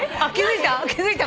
気付いた？